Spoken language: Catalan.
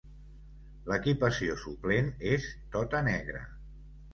L'equipació suplent és tota negra.